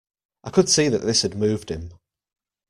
I could see that this had moved him.